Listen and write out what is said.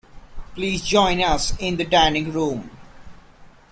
Please join us in the dining room.